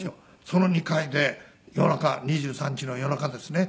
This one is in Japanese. その２階で夜中２３日の夜中ですね